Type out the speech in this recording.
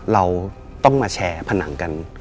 เราต้องมาแชร์ผนังกัน